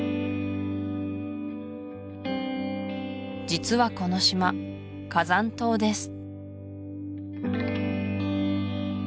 実はこの島火山島です